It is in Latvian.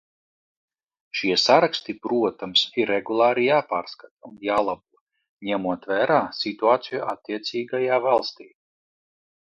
Šie saraksti, protams, ir regulāri jāpārskata un jālabo, ņemot vērā situāciju attiecīgajā valstī.